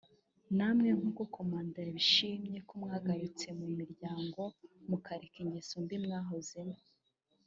Namwe rero nk’uko commanda yabashimye ko mwagarutse mu miryango mukareka ingeso mbi mwahozemo